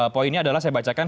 poinnya adalah saya bacakan